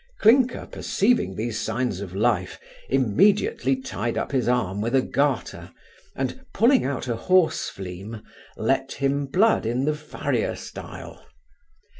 Clinker perceiving these signs of life, immediately tied up his arm with a garter, and, pulling out a horse fleam, let him blood in the farrier stile.